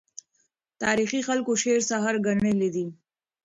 تاریخي خلکو شعر سحر ګڼلی دی.